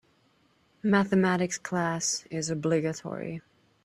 Mathematics class is obligatory.